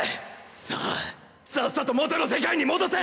さあさっさと元の世界に戻せ！